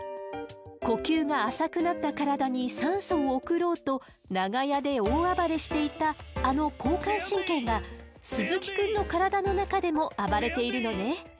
呼吸が浅くなった体に酸素を送ろうと長屋で大暴れしていたあの交感神経が鈴木くんの体の中でも暴れているのね。